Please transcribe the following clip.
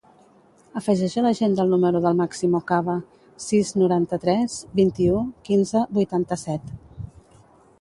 Afegeix a l'agenda el número del Máximo Caba: sis, noranta-tres, vint-i-u, quinze, vuitanta-set.